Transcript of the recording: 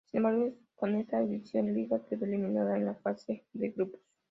Sin embargo, en esa edición Liga quedó eliminada en la fase de grupos.